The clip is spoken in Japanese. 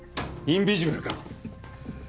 インビジブルか！